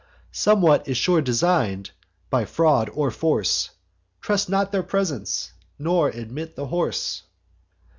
Somewhat is sure design'd, by fraud or force: Trust not their presents, nor admit the horse.